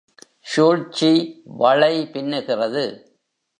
சூழ்ச்சி, வளை பின்னுகிறது.